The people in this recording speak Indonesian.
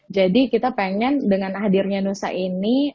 jadi kita pengen dengan hadirnya nusa ini